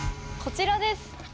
こちらです！